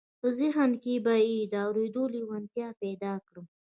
په ذهن کې به یې د اورېدو لېوالتیا پیدا کړم